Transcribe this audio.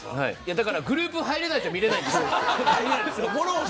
だから、グループに入らないと見られないんです。